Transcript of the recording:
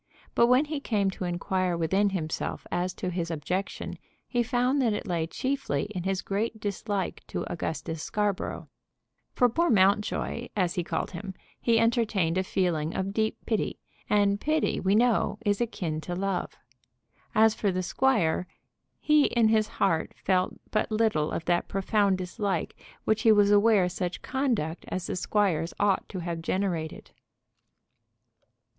But when he came to inquire within himself as to his objection he found that it lay chiefly in his great dislike to Augustus Scarborough. For poor Mountjoy, as he called him, he entertained a feeling of deep pity, and pity we know, is akin to love. And for the squire, he in his heart felt but little of that profound dislike which he was aware such conduct as the squire's ought to have generated.